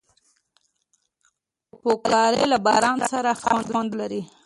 پکورې له باران سره خاص خوند لري